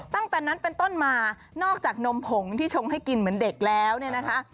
ตั้งแต่นั้นเป็นต้นมานอกจากนมผงที่ชงให้กินเหมือนเด็กแล้วเนี่ยนะคะ